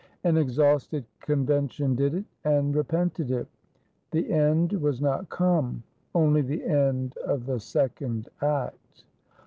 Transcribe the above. An exhausted Convention did it; and repented it. The end was not come; only the end of the second act.